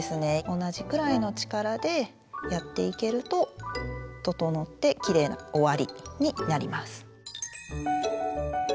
同じくらいの力でやっていけると整ってきれいな終わりになります。